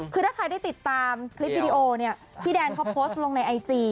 คือถ้าใครได้ติดตามคลิปวิดีโอเนี่ยพี่แดนเขาโพสต์ลงในไอจี